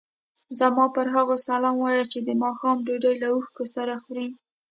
زما پر هغو سلام وایه چې د ماښام ډوډۍ له اوښکو سره خوري.